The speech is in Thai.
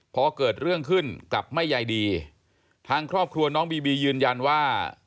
พอเกิดเรื่องขึ้นกลับไม่ใยดีทางครอบครัวน้องบีบียืนยันว่า